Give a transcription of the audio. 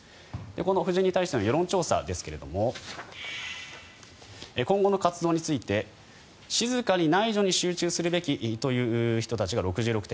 この夫人に対する世論調査ですが今後の活動について静かに内助に集中するべきという人たちが６６．４％。